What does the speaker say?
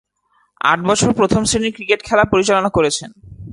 আট বছর প্রথম-শ্রেণীর ক্রিকেট খেলা পরিচালনা করেছেন।